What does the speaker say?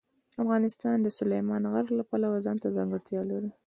افغانستان د سلیمان غر د پلوه ځانته ځانګړتیا لري.